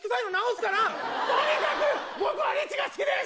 とにかく僕はリチが好きです！